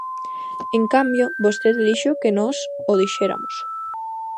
En cambio, vostede dixo que nós o dixeramos.